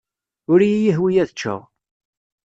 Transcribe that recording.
Ur iyi-yehwi ad ččeɣ.